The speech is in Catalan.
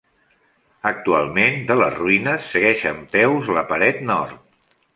Actualment, de les ruïnes segueix en peus la paret nord.